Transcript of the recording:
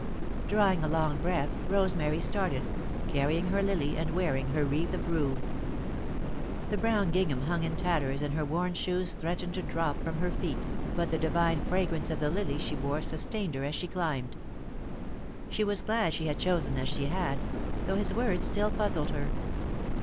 Drawing a long breath, Rosemary started, carrying her lily and wearing her wreath of rue. [Sidenote: The Coming Dawn] The brown gingham hung in tatters and her worn shoes threatened to drop from her feet, but the divine fragrance of the lily she bore sustained her as she climbed. She was glad she had chosen as she had, though his words still puzzled her.